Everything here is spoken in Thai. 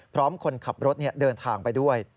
คนขับรถเดินทางไปด้วย